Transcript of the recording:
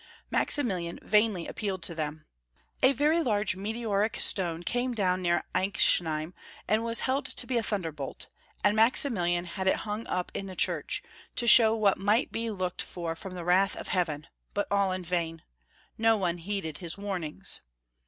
Maximilian vainly appealed to them, A very large meteoric stone which came down near Encisheim was held to be a thunderbolt, and Maximilian had it himg up in the Church, to show wliat might be looked for from the Avrath of Heaven, but all in vain. No one heeded liis warnings.